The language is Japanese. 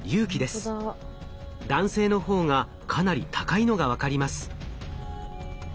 男性のほうがかなり高いのが分かります。